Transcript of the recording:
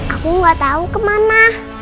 aku gak tau kemana